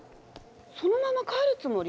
そのまま帰るつもり？